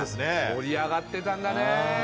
盛り上がってたんだねえ。